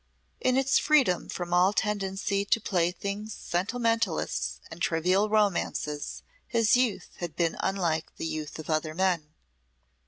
In its freedom from all tendency to plaything sentiments and trivial romances, his youth had been unlike the youth of other men.